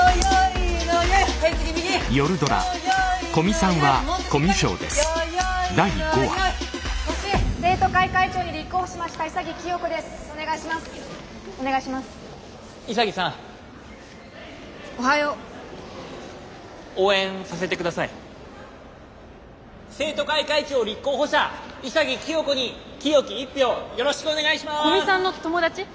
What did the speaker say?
古見さんの友達？